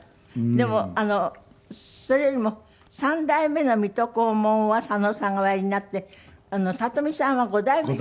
でもそれよりも３代目の水戸黄門は佐野さんがおやりになって里見さんは５代目？